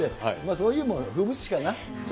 そういうのも風物詩かな。